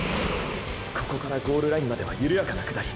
ここからゴールラインまでは緩やかな下り。